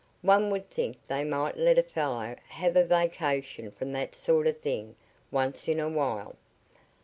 One would think they might let a fellow have a vacation from that sort of thing once in a while."